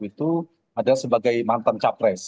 itu ada sebagai mantan capres